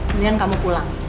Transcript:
mendingan kamu pulang